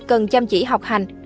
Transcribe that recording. cần chăm chỉ học hành